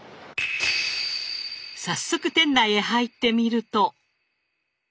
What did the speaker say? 早速店内へ入ってみると。